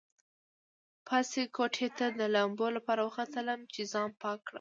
پاس کوټې ته د لامبو لپاره وختلم چې ځان پاک کړم.